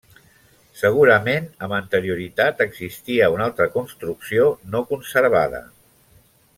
Segurament amb anterioritat existia una altra construcció no conservada.